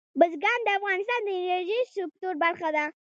بزګان د افغانستان د انرژۍ سکتور برخه ده.